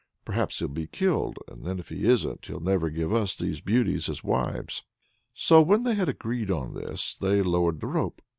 Perhaps he'll be killed; but then if he isn't, he'll never give us these beauties as wives." So when they had agreed on this, they lowered the rope.